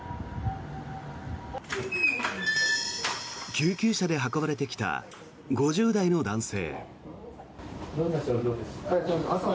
救急車で運ばれてきた５０代の男性。